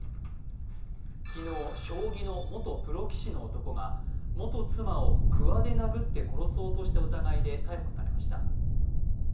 昨日、将棋の元プロ棋士の男が元妻をくわで殴って殺そうとした疑いで逮捕されました。